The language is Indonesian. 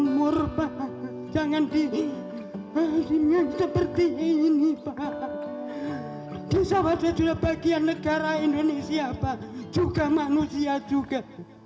murba jangan di seperti ini pak desa wadah juga bagian negara indonesia pak juga manusia juga